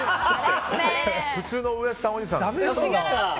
普通のウエスタンおじさん。